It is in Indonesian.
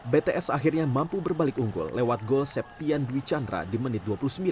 bts akhirnya mampu berbalik unggul lewat gol septian dwi chandra di menit dua puluh sembilan